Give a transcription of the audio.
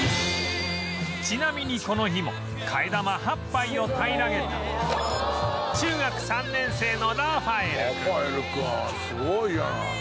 ちなみにこの日も替え玉８杯を平らげた中学３年生のラファエルくん